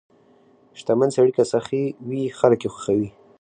• شتمن سړی که سخي وي، خلک یې خوښوي.